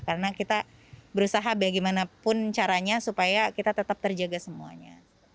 karena kita berusaha bagaimanapun caranya supaya kita tetap terjaga semuanya